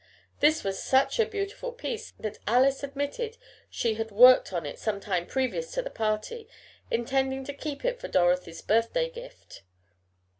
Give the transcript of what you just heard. This was such a beautiful piece that Alice admitted she had worked on it sometime previous to the party, intending to keep it for Dorothy's birthday gift.